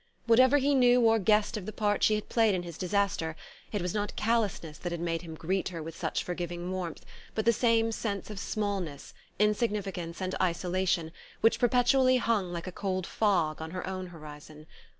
Whatever he knew or guessed of the part she had played in his disaster, it was not callousness that had made him greet her with such forgiving warmth, but the same sense of smallness, insignificance and isolation which perpetually hung like a cold fog on her own horizon.